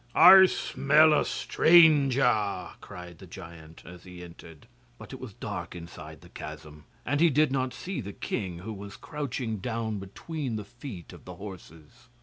'I smell a stranger,' cried the giant, as he entered; but it was dark inside the chasm, and he did not see the king, who was crouching down between the feet of the horses.